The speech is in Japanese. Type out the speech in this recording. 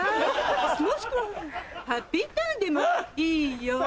もしくはハッピーターンでもいいよ